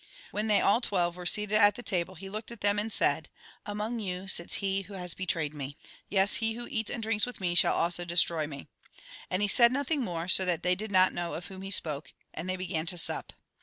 When they all twelve were seated at table, he looked at them, and said :" Among you sits he who has betrayed me. Yes, he who eats and drinks with me shall also destroy me." And he said nothing more, so that they did not know of whom he spoke, and they began to sup.